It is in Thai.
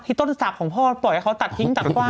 ถี่ต้นสักของพ่อปล่อยเขาตัดพิงตัดกว่า